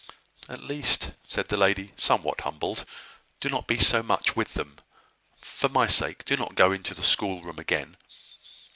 "At least," said the lady, somewhat humbled, "do not be so much with them. For my sake, do not go into the schoolroom again."